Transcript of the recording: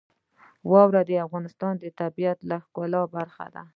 واوره د افغانستان د طبیعت د ښکلا برخه ده.